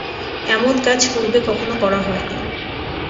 এমন কাজ পূর্বে কখনো করা হয়নি।